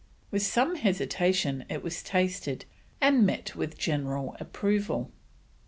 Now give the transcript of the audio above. With some hesitation it was tasted, and met with general approval.